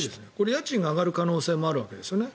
家賃が上がる可能性もあるわけですよね。